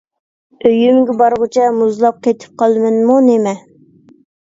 ئۆيۈمگە بارغۇچە مۇزلاپ قېتىپ قالىمەنمۇ نېمە؟